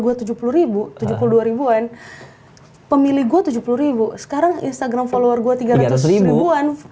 gua tujuh puluh tujuh puluh dua ribuan pemilik gua tujuh puluh sekarang instagram follower gua tiga ratus an